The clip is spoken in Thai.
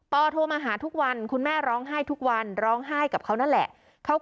โทรมาหาทุกวันคุณแม่ร้องไห้ทุกวันร้องไห้กับเขานั่นแหละ